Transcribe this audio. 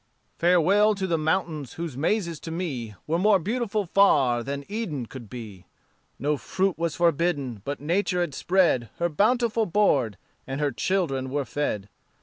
"Farewell to the mountains whose mazes to me Were more beautiful far than Eden could be; No fruit was forbidden, but Nature had spread Her bountiful board, and her children were fed.